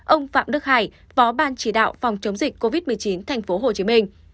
ông phạm đức hải phó ban chỉ đạo phòng chống dịch covid một mươi chín tp hcm